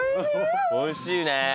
おいしい！